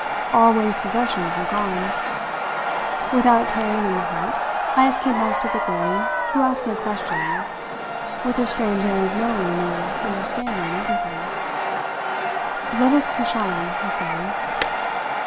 All Wang's possessions were gone. Without tarrying in the hut, Heyst came back to the girl, who asked no questions, with her strange air of knowing or understanding everything. "Let us push on," he said.